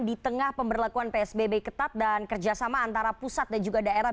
di tengah pemberlakuan psbb ketat dan kerjasama antara pusat dan juga daerah